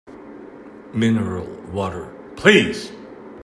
Mineral water please!